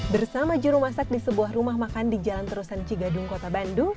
bersama juru masak di sebuah rumah makan di jalan terusan cigadung kota bandung